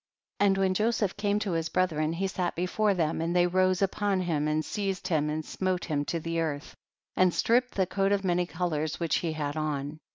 27. And when Joseph came to his brethren he sat before them, and they rose upon him and seized him and smote him to the earth, and stripped the coat of many colors which he had on.